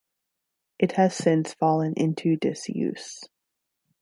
It has since fallen into disuse.